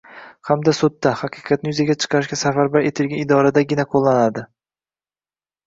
hamda sudda – haqiqatni yuzaga chiqarishga safarbar etilgan idoradagina qo‘llanadi.